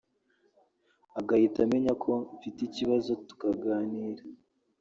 agahita amenya ko mfite ikibazo tukaganira